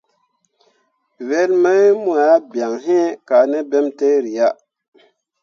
Wel mai mu ah bian iŋ kah ne ɓentǝǝri ah.